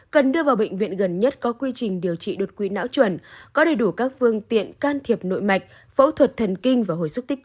cần đưa vào bệnh viện gần nhất có quy trình điều trị đột quỵ não chuẩn có đầy đủ các phương tiện can thiệp nội mạch phẫu thuật thần kinh và hồi sức tích cực